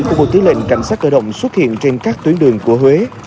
của bộ tư lệnh cảnh sát cơ động xuất hiện trên các tuyến đường của huế